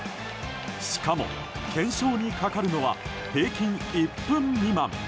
しかも、検証にかかるのは平均１分未満。